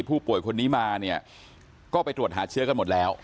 ผู้ป่วยคนนี้มาเนี่ยก็ไปตรวจหาเชื้อกันหมดแล้ว